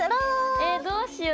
えどうしよう。